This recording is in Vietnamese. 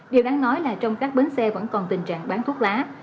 điều đáng nói là trong các bến xe vẫn còn tình trạng bán thuốc lá